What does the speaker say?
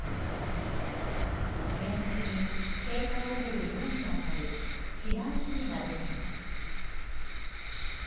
全域に警戒レベル４に当たる避難指示が出ています。